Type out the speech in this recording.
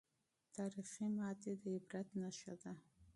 تاریخي ماتې د عبرت نښه ده.